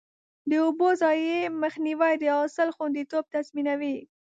د اوبو ضایع مخنیوی د حاصل خوندیتوب تضمینوي.